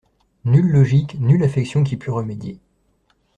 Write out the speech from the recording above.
Nulle logique, nulle affection qui pût remédier.